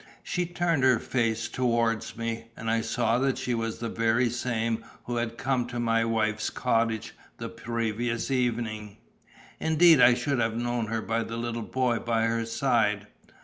She turned her face towards me, and I saw that she was the very same who had come to my wife's cottage the previous evening; indeed I should have known her by the little boy by her side.